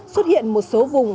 xuất hiện một số vùng